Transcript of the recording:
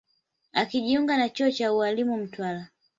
Akajiunga na chuo cha ualimu Mtwara